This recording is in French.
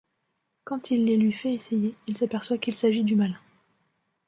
Quand il les lui fait essayer, il s’aperçoit qu’il s’agit du malin.